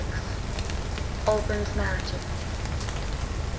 ALBAN'S NARRATIVE.